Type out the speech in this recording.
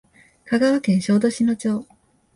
香川県小豆島町